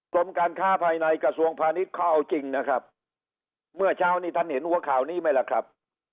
กรมการค้าภายในกระทรวงพาณิชย์เขาเอาจริงนะครับเมื่อเช้านี้ท่านเห็นหัวข่าวนี้ไหมล่ะครับ